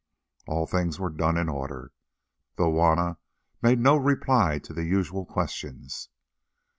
All things were done in order, though Juanna made no reply to the usual questions.